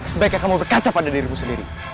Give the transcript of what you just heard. sebaiknya kamu berkaca pada dirimu sendiri